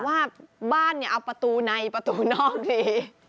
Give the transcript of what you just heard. บางคนบอกว่าบ้านเอาประตูในประตูนอกดี